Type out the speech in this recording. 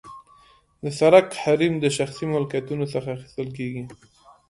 د سرک حریم د شخصي ملکیتونو څخه اخیستل کیږي